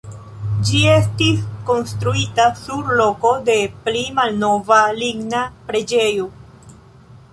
Ĝi estis konstruita sur loko de pli malnova ligna preĝejo.